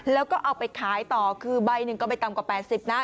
แล้วก็เอาไปขายต่อคือใบหนึ่งก็ไม่ต่ำกว่า๘๐นะ